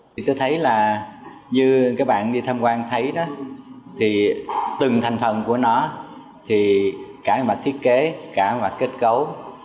thì tôi thấy là như các bạn đi tham quan thấy đó thì từng thành phần của nó thì cả mặt thiết kế cả mặt kết cấu